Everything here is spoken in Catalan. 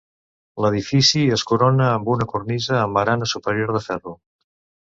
L'edifici es corona amb una cornisa amb barana superior de ferro.